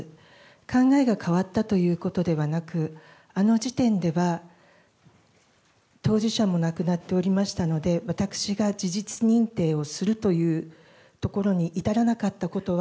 考えが変わったということではなく、あの時点では、当事者も亡くなっておりましたので、私が事実認定をするというところに至らなかったことは、